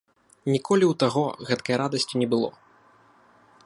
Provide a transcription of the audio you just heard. Ніколі ў таго гэткай радасці не было.